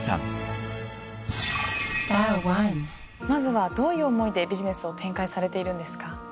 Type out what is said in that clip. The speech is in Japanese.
まずはどういう思いでビジネスを展開されているんですか？